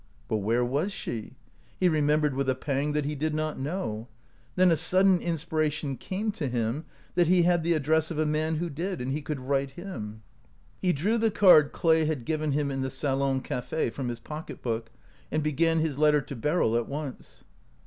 But where was she? He remembered with a pang that he did not know ; then a sudden inspiration came to him that he had the address of a man who did, and he could write him. He drew the card Clay had given him in the salon cafe from his pocketbook, and began his letter to Beryl at once.